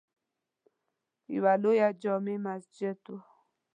یوه لویه جامع مسجد وه.